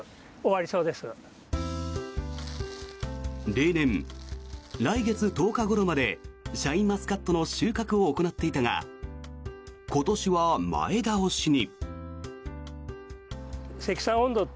例年、来月１０日ごろまでシャインマスカットの収穫を行っていたが今年は前倒しに。